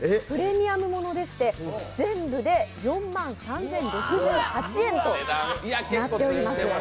プレミアものでして、全部で４万３０６８円となっております